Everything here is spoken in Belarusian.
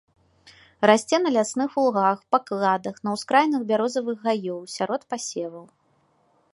Расце на лясных лугах, пакладах, на ўскраінах бярозавых гаёў, сярод пасеваў.